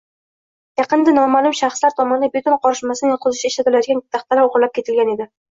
Yaqinda nomaʼlum shaxslar tomonidan beton qorishmasini yotqizishda ishlatilayotgan taxtalar oʻgʻirlab ketilgan edi.